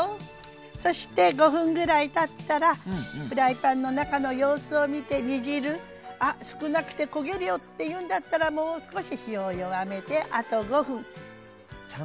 そして５分ぐらいたったらフライパンの中の様子を見て煮汁あっ少なくて焦げるよっていうんだったらもう少し火を弱めてあと５分。